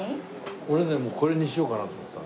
俺ねもうこれにしようかなと思ったの。